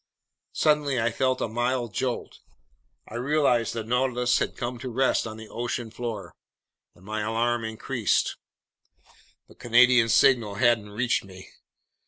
Suddenly I felt a mild jolt. I realized the Nautilus had come to rest on the ocean floor. My alarm increased. The Canadian's signal hadn't reached me.